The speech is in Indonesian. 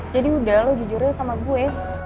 jadi udah lo jujur aja sama gue